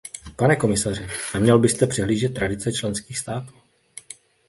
Pane komisaři, neměl byste přehlížet tradice členských států.